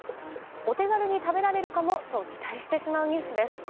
お手軽に食べられるかもと期待してしまうニュースです。